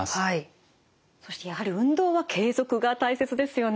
そしてやはり運動は継続が大切ですよね。